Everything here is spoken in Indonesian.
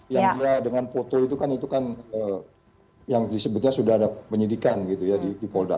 yang dia dengan foto itu kan itu kan yang disebutnya sudah ada penyidikan gitu ya di polda